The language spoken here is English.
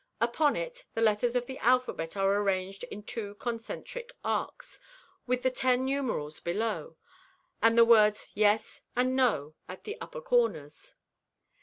Upon it the letters of the alphabet are arranged in two concentric arcs, with the ten numerals below, and the words "Yes" and "No" at the upper corners.